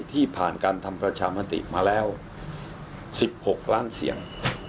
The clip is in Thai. ที่ผ่านการทำประชามติมาแล้ว๑๖ล้านเสียง